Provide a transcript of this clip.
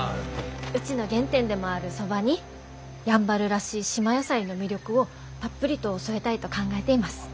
うちの原点でもあるそばにやんばるらしい島野菜の魅力をたっぷりと添えたいと考えています。